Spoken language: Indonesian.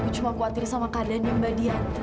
aku cuma khawatir sama keadaan mbak diantar